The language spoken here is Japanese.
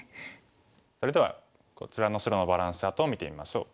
それではこちらの白のバランスチャートを見てみましょう。